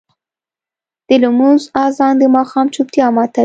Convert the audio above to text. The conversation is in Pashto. د لمونځ اذان د ماښام چوپتیا ماتوي.